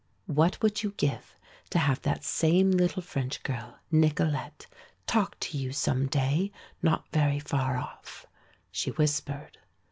"What would you give to have that same little French girl, Nicolete, talk to you some day not very far off?" she whispered.